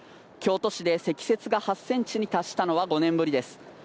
京都市で積雪が８ｃｍに達したのは５年ぶりです。